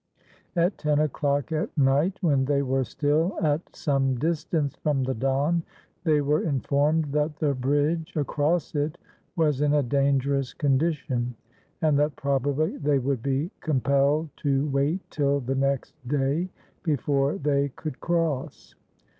At ten o'clock at night, when they were still at some distance from the Don, they were informed that the bridge across it was in a dangerous condition, and that probably they would be compelled to wait till the next day before they could cross.